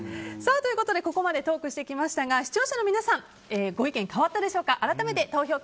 ここまでトークしてきましたが視聴者の皆さんご意見変わったでしょうか。